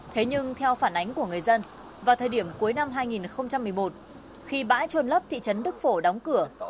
thế nhưng theo phản ánh của người dân vào thời điểm cuối năm hai nghìn một mươi một khi bãi trôn lấp thị trấn đức phổ đóng cửa